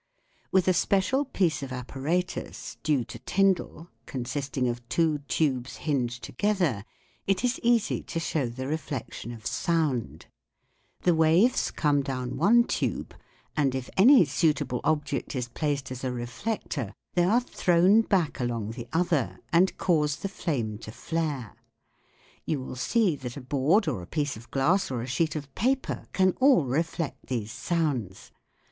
With a special piece of apparatus, due to Tyndall, consisting of two tubes hinged together (Fig. 14), it is easy to show the reflection of sound . The waves come down one tube, and if any suitable object is placed as a reflector they are thrown back along the other FIG. 13. The Bird Call. The tube is half an inch in diameter. 26 THE WORLD OF SOUND and cause the flame to flare. You will see that a board or a piece of glass or a sheet of paper can all reflect these sounds.